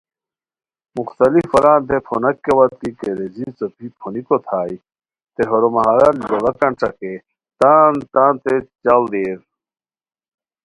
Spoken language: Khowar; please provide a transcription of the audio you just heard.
مختلف وارانتے پھوناک کیا وتکی کیریزی څوپی پھونیکوت ہائے تھے ہورو مہارت لوڑاکان ݯاکے تان تانتے چاڑ دیئر